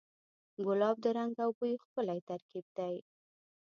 ګلاب د رنګ او بوی ښکلی ترکیب دی.